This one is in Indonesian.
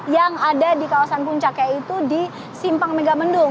yang ada di kawasan puncak yaitu di simpang megamendung